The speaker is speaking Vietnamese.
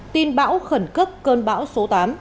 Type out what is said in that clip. tin bão khẩn cấp cơn bão số tám